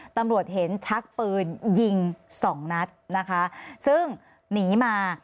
ตำรวจเห็นชักปืนยิงสองนัดนะคะซึ่งหนีมา